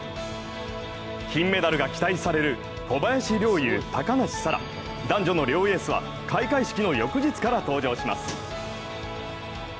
金メダルが期待される小林陵侑、高梨沙羅、男女の両エースは開会式の翌日から登場します。